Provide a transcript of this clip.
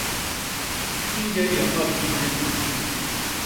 Kinje yama bigdi mut i!